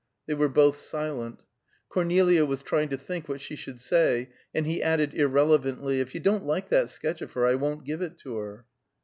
They were both silent; Cornelia was trying to think what she should say, and he added, irrelevantly, "If you don't like that sketch of her, I won't give it to her."